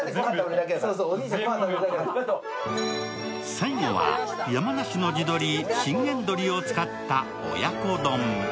最後は、山梨の地鶏・信玄鶏を使った親子丼。